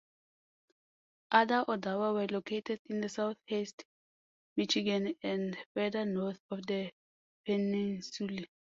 Other Odawa were located in southeast Michigan and further north on the peninsula.